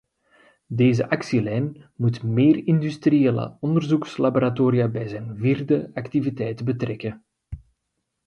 Deze actielijn moet meer industriële onderzoekslaboratoria bij zijn vierde activiteit betrekken.